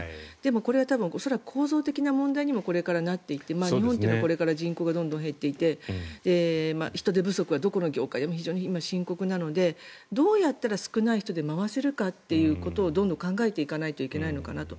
これは恐らく構造的な問題にもこれからなっていって日本はこれから人口がどんどん減っていて人手不足はどこの業界でも今、深刻なのでどうやったら少ない人で回せるのかをどんどん考えていかないといけないのかなと。